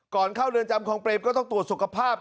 ก่อนเข้าเรือนจำคลองเปรมก็ต้องตรวจสุขภาพ